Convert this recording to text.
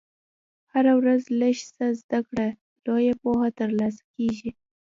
هره ورځ لږ څه زده کړه، لویه پوهه ترلاسه کېږي.